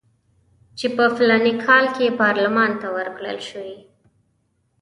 چې په فلاني کال کې پارلمان ته ورکړل شوي.